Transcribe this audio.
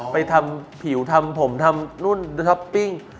ไปทำผิวทำผมทำนู่นท็อปปิ้ง